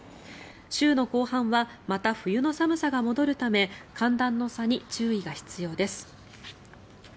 週の後半はまた冬の寒さが戻るため寒暖の差に注意が必要です。